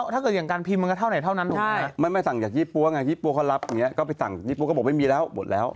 ตอนนี้เพลินมันต้องไฮไลท์ให้ได้และ